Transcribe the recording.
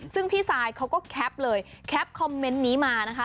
ซึ่งพี่ซายเขาก็แคปเลยแคปคอมเมนต์นี้มานะคะ